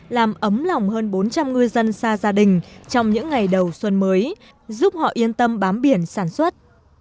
làm ấm lòng hơn bốn trăm linh ngư dân xa gia đình trong những ngày đầu xuân mới giúp họ yên tâm bám biển sản xuất